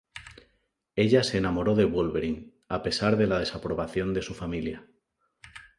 Ella se enamoró de Wolverine, a pesar de la desaprobación de su familia.